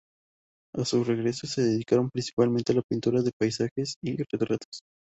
A su regreso, se dedicaron, principalmente, a la pintura de paisajes y retratos.